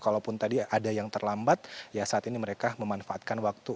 kalaupun tadi ada yang terlambat ya saat ini mereka memanfaatkan waktu